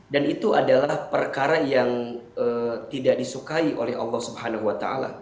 dan itu adalah perkara yang tidak disukai oleh allah swt